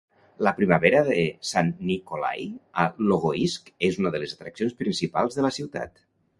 La primavera de Saint Nicholai a Logoisk és una de les atraccions principals de la ciutat.